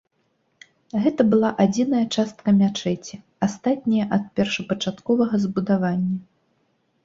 Гэта была адзіная частка мячэці, астатняя ад першапачатковага збудаванні.